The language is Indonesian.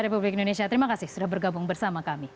republik indonesia terima kasih sudah bergabung bersama kami